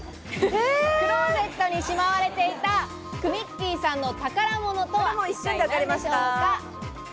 クローゼットにしまわれていた、くみっきーさんの宝物とは一体何でしょうか。